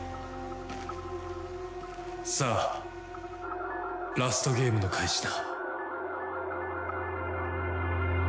さあラストゲームの開始だ。